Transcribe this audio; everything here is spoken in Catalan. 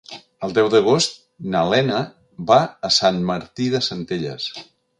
El deu d'agost na Lena va a Sant Martí de Centelles.